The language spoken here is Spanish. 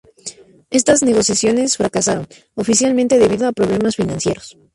Estas negociaciones fracasaron, oficialmente debido a problemas financieros.